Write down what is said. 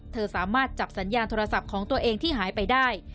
สามารถจับสัญญาณโทรศัพท์ของตัวเองที่หายไปได้